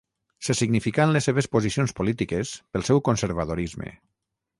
Se significà en les seves posicions polítiques pel seu conservadorisme.